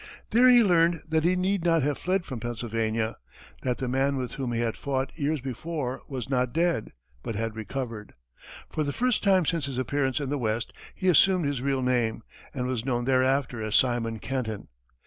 There he learned that he need not have fled from Pennsylvania, that the man with whom he had fought years before was not dead, but had recovered. For the first time since his appearance in the west, he assumed his real name, and was known thereafter as Simon Kenton.